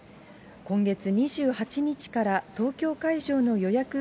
今月２８日から東京会場の予約